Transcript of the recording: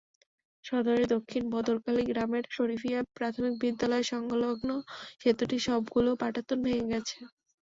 সদরের দক্ষিণ বদরখালী গ্রামের শরিফিয়া প্রাথমিক বিদ্যালয়সংলগ্ন সেতুটির সবগুলো পাটাতন ভেঙে গেছে।